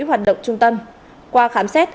hoạt động trung tâm qua khám xét